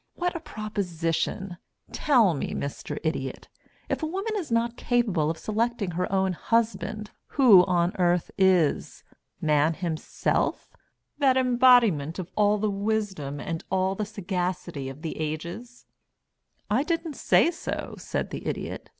"What a proposition. Tell me, Mr. Idiot, if a woman is not capable of selecting her own husband, who on earth is? Man himself that embodiment of all the wisdom and all the sagacity of the ages?" "I didn't say so," said the Idiot.